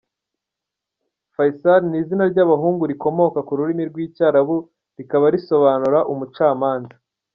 Faysal ni izina ry’abahungu rikomoka ku rurimi rw’Icyarabu rikaba risobanura “Umucamanza”.